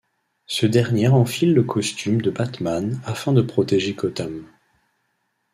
Ce dernier enfile le costume de Batman afin de protéger Gotham.